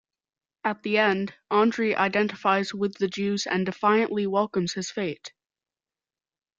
At the end, Andri identifies with the Jews and defiantly welcomes his fate.